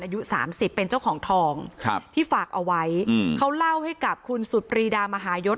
อายุสามสิบเป็นเจ้าของทองครับที่ฝากเอาไว้เขาเล่าให้กับคุณสุดปรีดามหายศ